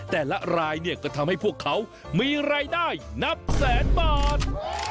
รายเนี่ยก็ทำให้พวกเขามีรายได้นับแสนบาท